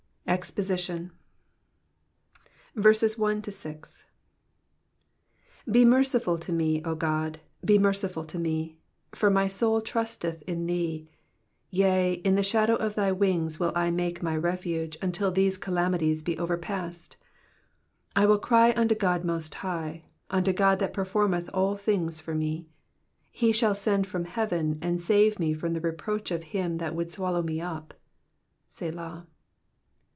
EXPOSITION. BE merciful unto me, O God, be merciful unto me : for my soul trusteth in thee : yea, in the shadow of thy wings will I make my refuge, until tAesf calamities be overpast. 2 I will cry unto God most high ; unto God that performeth a// things for me. 3 He shall send from heaven, and save me from the reproach of him that would swallow me up. Selah.